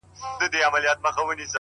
• که ښکا ري هر څومره خپل سي نه دوستیړي ,